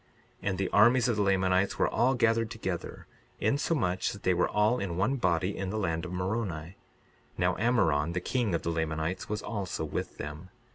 62:33 And the armies of the Lamanites were all gathered together, insomuch that they were all in one body in the land of Moroni. Now, Ammoron, the king of the Lamanites, was also with them.